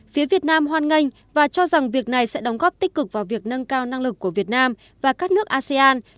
phía việt nam hoan nghênh và cho rằng việc này sẽ đóng góp tích cực vào việc nâng cao năng lực của việt nam và các nước asean